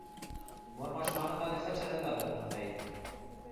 مور ماشومانو ته د ښه چلند عادتونه ښيي